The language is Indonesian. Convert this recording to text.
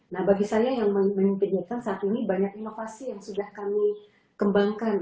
nah bagi saya yang memimpikan saat ini banyak inovasi yang sudah kami kembangkan